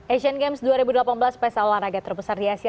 asian games dua ribu delapan belas pesta olahraga terbesar di asia